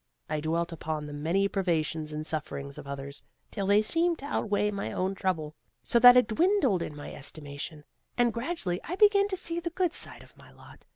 I dwelt upon the many privations and sufferings of others, till they seemed to outweigh my own trouble so that it dwindled in my estimation; and gradually I began to see the good side of my lot.